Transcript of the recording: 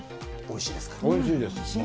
おいしいです。